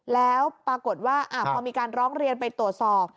แล้วปรากฏว่าพอมีการร้องเรียนไปตรวจสอบ